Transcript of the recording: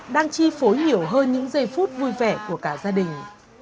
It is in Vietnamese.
đang chi phối nhiều hơn những giây phút vui vẻ của cả gia đình